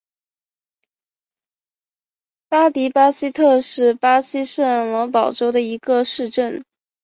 巴迪巴西特是巴西圣保罗州的一个市镇。